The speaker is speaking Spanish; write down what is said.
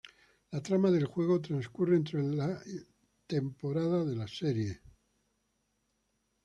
La trama del juego transcurre entre la y temporada de la serie.